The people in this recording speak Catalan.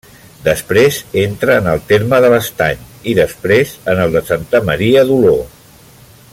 Després, entra en el terme de l'Estany, i després en el de Santa Maria d'Oló.